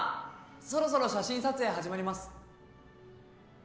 そろそろ写真撮影始まります。